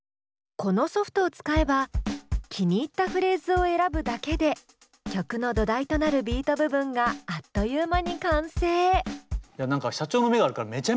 このソフトを使えば気に入ったフレーズを選ぶだけで曲の土台となるビート部分があっという間に完成。